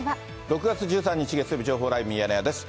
６月１３日月曜日、情報ライブミヤネ屋です。